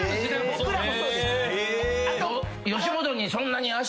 僕らもそうです。